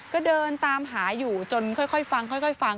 ก็เดินตามหาอยู่จนค่อยฟังค่อยฟัง